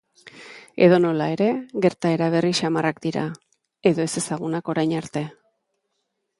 Edonola ere, gertaera berri samarrak dira, edo ezezagunak orain arte.